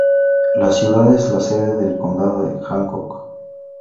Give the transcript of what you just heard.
La ciudad es la sede del condado de Hancock.